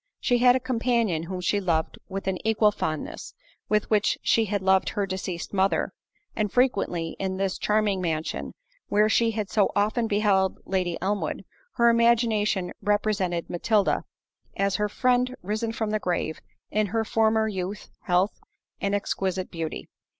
She had a companion whom she loved with an equal fondness, with which she had loved her deceased mother; and frequently, in this charming mansion, where she had so often beheld Lady Elmwood, her imagination represented Matilda as her friend risen from the grave, in her former youth, health, and exquisite beauty.